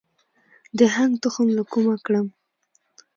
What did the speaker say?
د هنګ تخم له کومه کړم؟